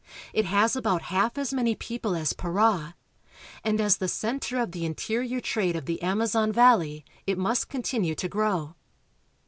It has about half as many people as Para,, and, as the center of the interior trade of the Amazon valley, it must continue to grow.